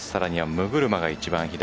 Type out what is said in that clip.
六車が一番左。